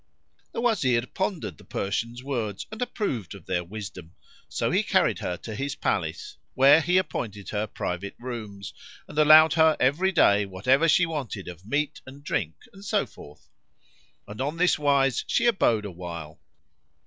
The Wazir pondered the Persian's words and approved of their wisdom; so he carried her to his palace, where he appointed her private rooms, and allowed her every day whatever she wanted of meat and drink and so forth. And on this wise she abode a while.